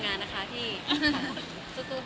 ผมนี้ก็ก่อนที่เหตุผล